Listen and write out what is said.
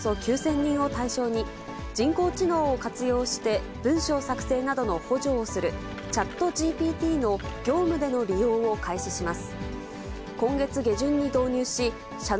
大和証券は、全社員およそ９０００人を対象に、人工知能を活用して、文章作成などの補助をするＣｈａｔＧＰＴの業務での利用を開始します。